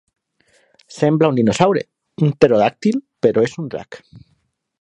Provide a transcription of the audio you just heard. Sembla un dinosaure, un pterodàctil, però és un drac.